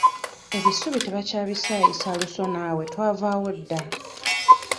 Ebisubi tebakyabisaayisa luso naawe twavaawo dda.